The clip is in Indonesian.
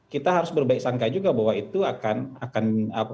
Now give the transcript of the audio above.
kita harus berbaik sangka juga bahwa itu akan